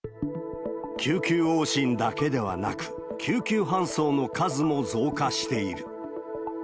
救急往診だけではなく、救急搬送の数も増加している。